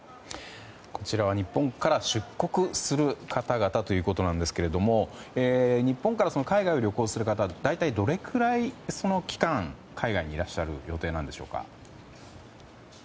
こちらは日本から出国する方々ということですが日本から海外を旅行する方は大体どれくらいその期間、海外にいらっしゃる予定なんでしょうか。